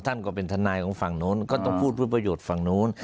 ก็เป็นทนายของฝั่งนู้นก็ต้องพูดเพื่อประโยชน์ฝั่งโน้น